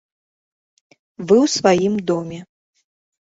Вы ў сваім доме.